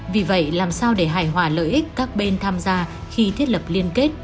vì vậy làm sao để hài hòa lợi ích các bên tham gia khi thiết lập liên kết